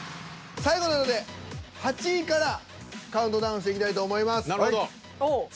最後なので８位からカウントダウンしていきたいと思います。